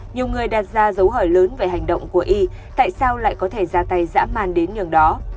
nhiều người đặt ra dấu hỏi lớn về hành động của y tại sao lại có thể ra tay dã man đến nhường đó